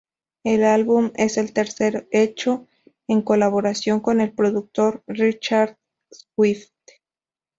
El álbum es el tercero hecho en colaboración con el productor Richard Swift.